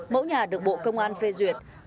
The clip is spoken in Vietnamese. mẫu nhà được bộ công an phê duyệt